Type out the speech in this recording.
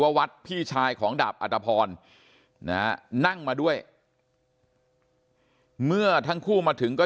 วัดพี่ชายของดาบอัตภพรนะนั่งมาด้วยเมื่อทั้งคู่มาถึงก็